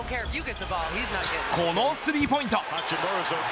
このスリーポイント。